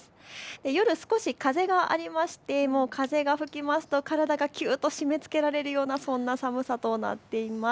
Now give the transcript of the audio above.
夜、少し風がありまして風が吹きますと体がきゅっと締めつけられるようなそんな寒さとなっています。